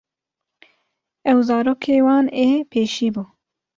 Ew zarokê wan ê pêşî bû.